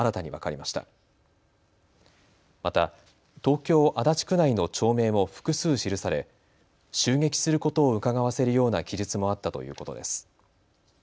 また東京足立区内の町名も複数、記され襲撃することをうかがわせるような記述もあったということです。